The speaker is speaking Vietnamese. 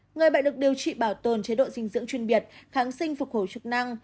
người bệnh được điều trị bảo tồn chế độ dinh dưỡng chuyên biệt kháng sinh phục hồi chức năng